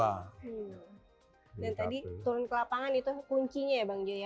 dan tadi turun ke lapangan itu kuncinya ya bang jo ya